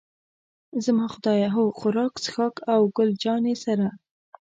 زما خدایه، هو، خوراک، څښاک او له ګل جانې سره.